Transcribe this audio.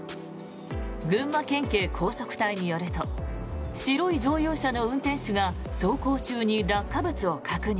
群馬県警高速隊によると白い乗用車の運転手が走行中に落下物を確認。